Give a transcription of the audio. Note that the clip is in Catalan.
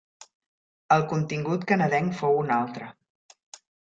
El contingut canadenc fou un altre.